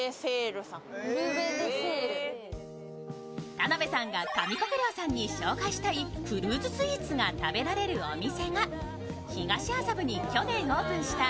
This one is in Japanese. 田辺さんが上國料さんに紹介したい、フルーツスイーツが食べられるお店が、東麻布に去年オープンした